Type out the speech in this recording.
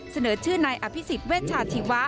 เสนอชื่อนายอภิษฎเวชาชีวะ